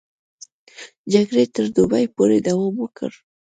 جګړې تر دوبي پورې دوام وکړ.